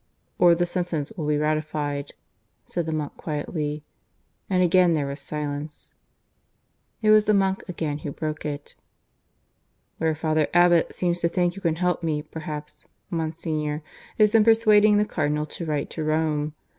"Or the sentence will be ratified," said the monk quietly. And again there was silence. It was the monk again who broke it. "Where Father Abbot seems to think you can help me perhaps, Monsignor, is in persuading the Cardinal to write to Rome.